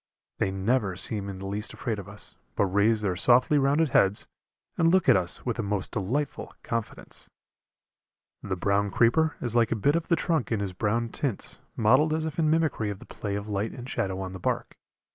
They never seem in the least afraid of us, but raise their softly rounded heads and look at us with a most delightful confidence. The brown creeper is like a bit of the trunk in his brown tints, mottled as if in mimicry of the play of light and shadow on the bark.